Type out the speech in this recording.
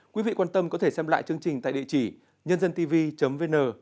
quý vị quan tâm có thể xem lại chương trình tại địa chỉ nhândântv vn